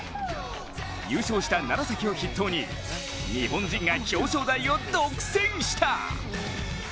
優勝した楢崎を筆頭に日本人が表彰台を独占した。